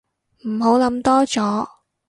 唔好諗多咗